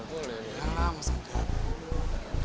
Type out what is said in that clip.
gak lama saja